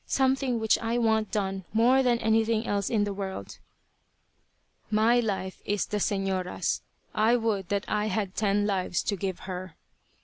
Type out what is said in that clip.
Something which I want done more than anything else in the world?" "My life is the señora's. I would that I had ten lives to give her."